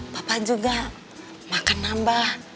papa juga makan nambah